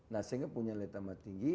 nah sehingga punya letaman tinggi